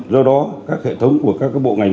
do đó các hệ thống của các bộ ngành